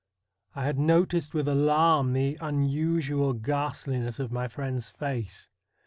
I had noticed with alarm the unusual ghastliness of my friend's face.